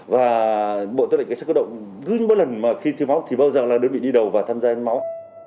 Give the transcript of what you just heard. và bộ tư lệnh cảnh sát cơ động cứ mỗi lần mà khi tiêm máu thì bao giờ là đơn vị đi đầu và tham gia hiến máu